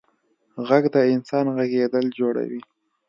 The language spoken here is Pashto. غږ د انسان غږېدل جوړوي.